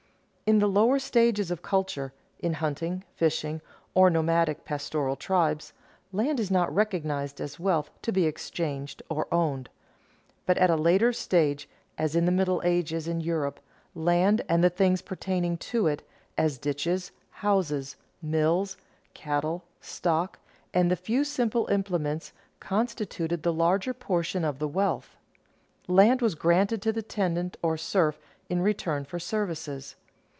_ In the lower stages of culture, in hunting, fishing, or nomadic pastoral tribes, land is not recognized as wealth to be exchanged or owned. But at a later stage, as in the Middle Ages in Europe, land and the things pertaining to it, as ditches, houses, mills, cattle, stock, and the few simple implements, constituted the larger portion of the wealth. Land was granted to the tenant or serf in return for services.